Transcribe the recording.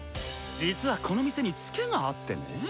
実はこの店にツケがあってネ。